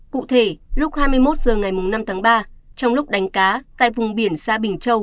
cụ thể lúc hai mươi một h ngày năm tháng ba trong lúc đánh cá tại vùng biển xa bình châu